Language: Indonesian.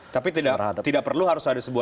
tapi tidak perlu harus ada sebuah